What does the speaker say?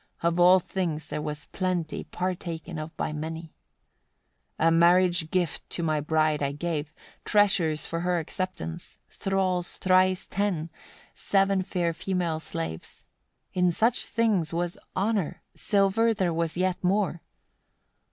Of all things there was plenty partaken of by many. 94. A marriage gift to my bride I gave, treasures for her acceptance, thralls thrice ten, seven fair female slaves: in such things was honour; silver there was yet more.